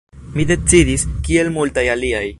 Mi decidis, kiel multaj aliaj.